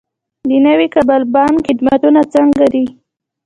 د نوي کابل بانک خدمتونه څنګه دي؟